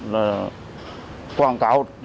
mà nếu người vay mà